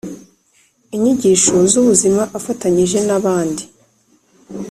Inyigisho z ubuzima afatanyije n abandi